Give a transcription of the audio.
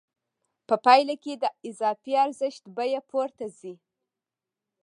په پایله کې د اضافي ارزښت بیه پورته ځي